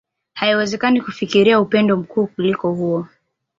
Haiwezekani kufikiria upendo mkuu kuliko huo.